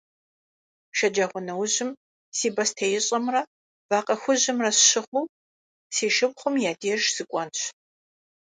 Шэджагъуэнэужьым си бостеищӏэмрэ вакъэ хужьымрэ сщыгъыу си шыпхъум я деж сыкӏуэнщ.